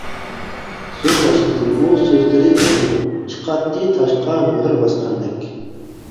سۆز باشلىدى ئۇ سۆزلىرى ئۇنىڭ، چىقاتتى تاشقا مۆھۈر باسقاندەك.